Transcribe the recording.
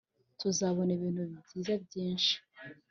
Tuzabona ibintu byiza byinshi,